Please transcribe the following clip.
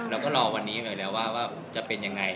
เราก็รอวันนี้เลยแล้วว่าจะเป็นยังไง